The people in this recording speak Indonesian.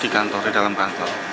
di kantor di dalam kantor